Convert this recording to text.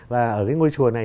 và ở cái ngôi chùa này